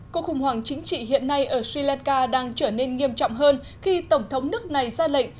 cuộc khủng hoảng chính trị hiện nay ở sri lanka đang trở nên nghiêm trọng hơn khi tổng thống nước này ra lệnh